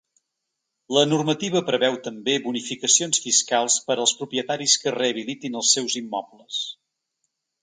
La normativa preveu també bonificacions fiscals per als propietaris que rehabilitin els seus immobles.